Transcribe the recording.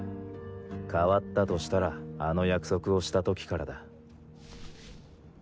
変わったとしたらあの約束をした時からだ。